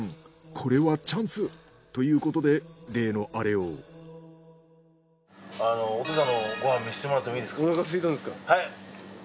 これはチャンス！ということであのお父さんのご飯見せてもらってもいいですか？